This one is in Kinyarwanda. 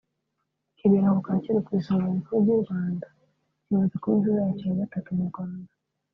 kibera ku Kacyiru ku isomero rikuru ry’u Rwanda kimaze kuba ku nshuro yacyo ya gatatu mu Rwanda